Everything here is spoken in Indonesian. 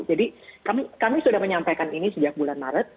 jadi kami sudah menyampaikan ini sejak bulan maret